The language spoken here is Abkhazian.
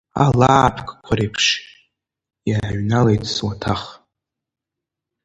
Ала аапкқәа реиԥш, иааҩналеит суаҭах.